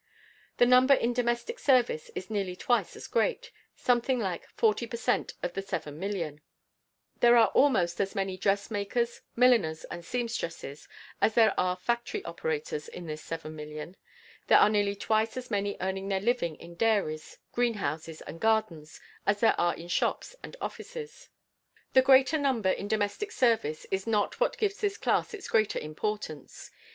The number in domestic service is nearly twice as great, something like 40 per cent of the 7,000,000. There are almost as many dressmakers, milliners, and seamstresses as there are factory operators in this 7,000,000. There are nearly twice as many earning their living in dairies, greenhouses, and gardens as there are in shops and offices. The greater number in domestic service is not what gives this class its greater importance.